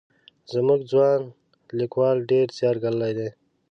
زموږ ځوان لیکوال ډېر زیار ګاللی دی.